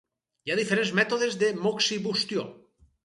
Hi ha diferents mètodes de moxibustió.